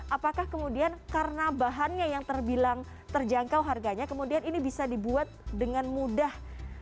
apakah kemudian karena bahannya yang terbilang terjangkau harganya kemudian ini bisa dibuat dengan mudah